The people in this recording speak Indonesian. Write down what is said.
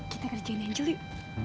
kita kerjain angel yuk